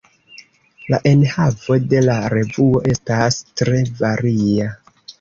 La enhavo de la revuo estas tre varia.